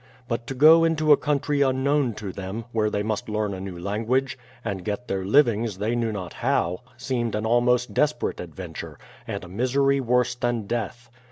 But to go into a country unknown to them, where they must learn a new language, and get their livings they knew not how, seemed an almost desperate adventure, and a misery worse than death.